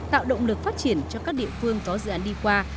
tạo động lực phát triển cho các địa phương có dự án đi qua